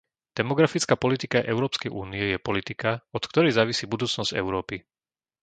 Demografická politika Európskej únie je politika, od ktorej závisí budúcnosť Európy.